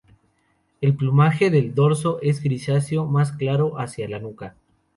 El plumaje del dorso es grisáceo, más claro hacia la nuca.